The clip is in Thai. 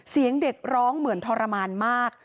เสียงเด็กร้องเหมือนทรมานมาก